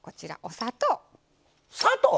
砂糖？